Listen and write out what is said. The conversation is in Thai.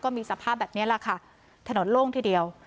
มีสภาพแบบนี้แหละค่ะถนนโล่งทีเดียว